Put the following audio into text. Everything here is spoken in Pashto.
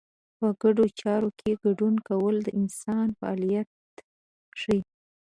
په ګډو چارو کې ګډون کول د انسان فعالیت ښيي.